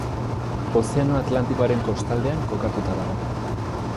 Ozeano Atlantikoaren kostaldean kokatuta dago.